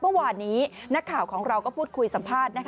เมื่อวานนี้นักข่าวของเราก็พูดคุยสัมภาษณ์